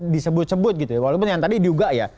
disebut sebut gitu ya walaupun yang tadi juga ya